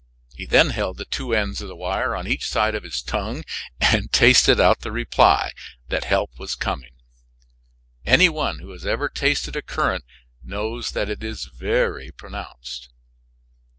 He then held the two ends of the wire on each side of his tongue and tasted out the reply that help was coming. Any one who has ever tasted a current knows that it is very pronounced.